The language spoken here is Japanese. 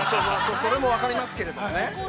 ◆それも分かりますけれどね。